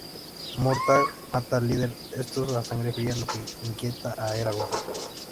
Murtagh mata al líder estos a sangre fría, lo que inquieta a Eragon.